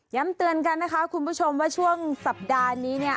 เตือนกันนะคะคุณผู้ชมว่าช่วงสัปดาห์นี้เนี่ย